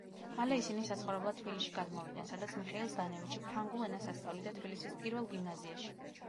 მალე ისინი საცხოვრებლად თბილისში გადმოვიდნენ, სადაც მიხეილ ზდანევიჩი ფრანგულ ენას ასწავლიდა თბილისის პირველ გიმნაზიაში.